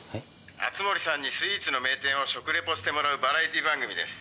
熱護さんにスイーツの名店を食リポしてもらうバラエティー番組です。